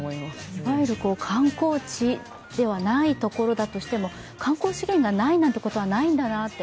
いわゆる、観光地ではないところだとしても観光資源がないなんてことはないんだなと。